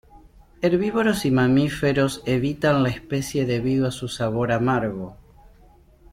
Herbívoros y mamíferos evitan la especie debido a su sabor amargo.